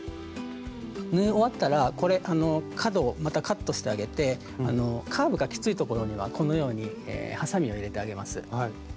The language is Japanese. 縫い終わったらこれ角をまたカットしてあげてカーブがきついところにはこのようにハサミを入れてあげます。